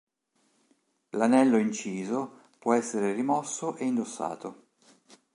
L’anello inciso può essere rimosso e indossato.